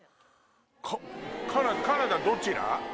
カナダどちら？